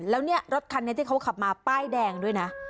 แล้วเนี่ยรถคันนี้ที่เขาขับมาป้ายแดงด้วยนะ